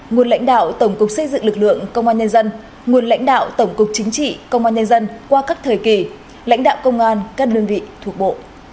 nguồn lãnh đạo tổng cục xây dựng lực lượng công an nhân dân nguồn lãnh đạo tổng cục chính trị công an nhân dân qua các thời kỳ lãnh đạo công an các đơn vị thuộc bộ